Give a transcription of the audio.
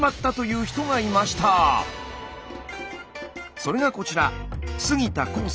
それがこちら。